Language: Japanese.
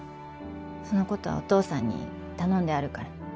その事はお父さんに頼んであるから。